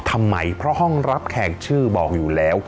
ทำไมเพราะห้องรับแขกชื่อบอกอยู่แล้ว